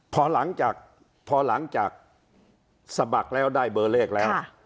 พอหลังจากพอหลังจากสมัครแล้วได้เบอร์เลขแล้ว